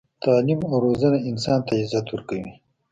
تعلیم او روزنه انسان ته عزت ورکوي.